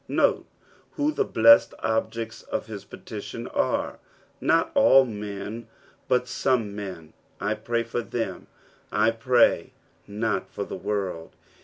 Note who tlie blessed objects of his petitions are : not all men, but some men, " I pray for them, I pray not for the world."